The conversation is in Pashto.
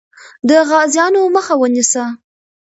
د غازیانو مخه ونیسه.